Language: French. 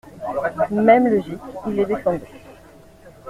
Même logique, il est défendu.